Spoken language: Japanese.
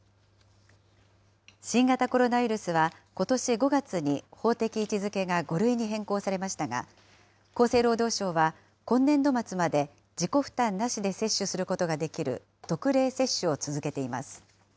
新型コロナウイルスは、ことし５月に法的位置づけが５類に変更されましたが、厚生労働省は今年度末まで自己負担なしで接種することができる特例接種を続けています。